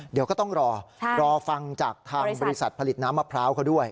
เดี๋ยวก็ต้องรอรอฟังจากทางบริษัทผลิตน้ำมะพร้าวเขาด้วย